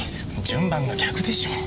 順番が逆でしょう。